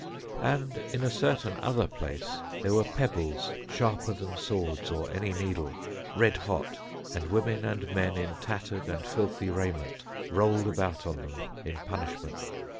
And in a certain other place there were pebbles sharper than swords or any needle, red hot, and women and men in tattered and filthy raiment, rolled about on them in punishment.